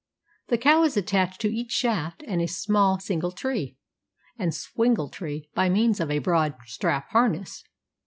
The cow is attached to each shaft and a small single tree, or swingletree, by means of a broad strap harness.